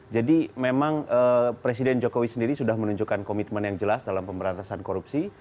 jadi memang presiden jokowi sendiri sudah menunjukkan komitmen yang jelas dalam pemberantasan korupsi